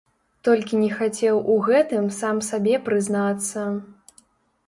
Толькі не хацеў у гэтым сам сабе прызнацца.